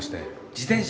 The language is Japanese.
自転車？